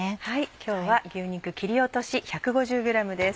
今日は牛肉切り落とし１５０ｇです。